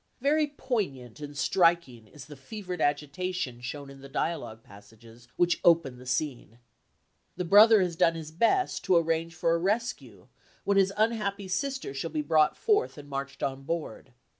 Very poignant and striking is the fevered agitation shown in the dialogue passages which open the scene. The brother has done his best to arrange for a rescue when his unhappy sister shall be brought forth and marched on board.